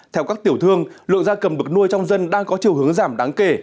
theo các tiểu thương lượng gia cầm bực nuôi trong dân đang có chiều hướng giảm đáng kể